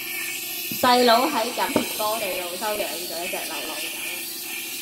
細佬喺錦田波地路收養左一隻流浪狗